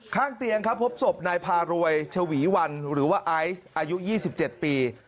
ข้างเตียงครับพบศพนายพารวยชวีวันหรือว่าไอซ์อายุ๒๗ปี